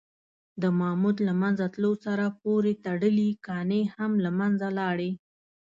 د ماموت له منځه تلو سره پورې تړلي کنې هم له منځه لاړې.